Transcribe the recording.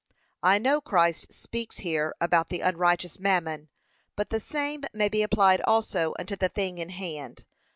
I know Christ speaks here about the unrighteous mammon, but the same may be applied also unto the thing in hand.